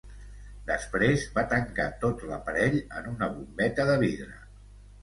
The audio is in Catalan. Després, va tancar tot l'aparell en una bombeta de vidre.